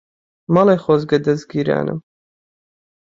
مەڵێ خۆزگە دەزگیرانم